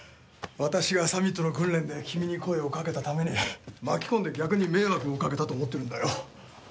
私がサミットの訓練で君に声をかけたために巻き込んで逆に迷惑をかけたと思ってるんだよ。